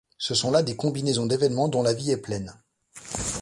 Ce sont là de ces combinaisons d'événements dont la vie est pleine.